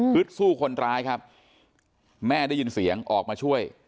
สู้คนร้ายครับแม่ได้ยินเสียงออกมาช่วย